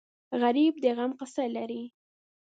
غریب د غم قصه لري